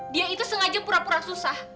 dia itu sengaja pura pura susah